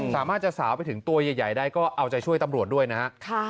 สามารถจะสาวไปถึงตัวใหญ่ได้ก็เอาใจช่วยตำรวจด้วยนะฮะ